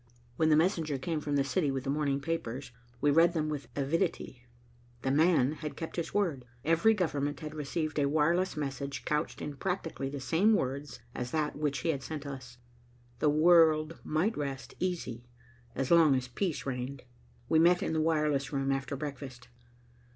When the messenger came from the city with the morning papers, we read them with avidity. 'The man' had kept his word. Every government had received a wireless message couched in practically the same words as that which he had sent us. The world might rest easy, as long as peace reigned. We met in the wireless room after breakfast.